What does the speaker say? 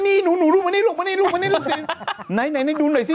นี่หนูลุงมานี่ซิ